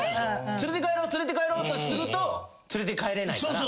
連れて帰ろう連れて帰ろうとすると連れて帰れないから。